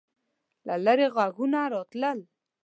له لیرې غږونه راتلل.